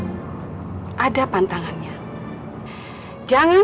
ichu itu membiarkan untuk selendang ini